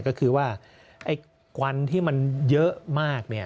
ก็คือว่าไอ้กวันที่มันเยอะมาก